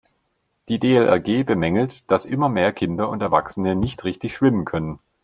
Die DLRG bemängelt, dass immer mehr Kinder und Erwachsene nicht richtig schwimmen können.